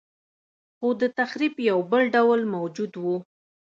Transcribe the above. خو د تخریب یو بل ډول موجود و